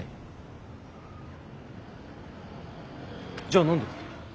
じゃあ何で？